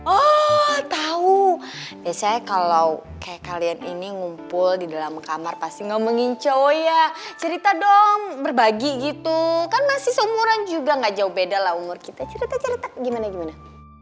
oh tahu biasanya kalau kayak kalian ini ngumpul di dalam kamar pasti ngomonginco ya cerita dong berbagi gitu kan masih seumuran juga gak jauh beda lah umur kita cerita cerita gimana gimana